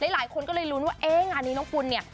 หลายคนก็เลยลุ้นว่าเอ๊ะงานนี้น้องกุลเนี่ย